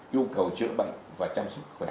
nhu cầu chữa bệnh và chăm sóc sức khỏe